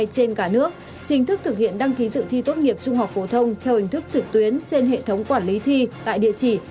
chính thức thực hiện đăng ký dự thi tốt nghiệp trung học phổ thông theo hình thức trực tuyến trên hệ thống quản lý thi tại địa chỉ